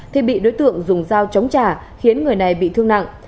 thì bị đối tượng dùng dao chống trả khiến người này bị thương nặng